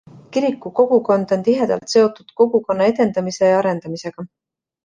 Kiriku kogukond on tihedalt seotud kogukonna edendamise ja arendamisega.